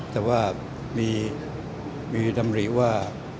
จะว่ามีดำหรี่ว่า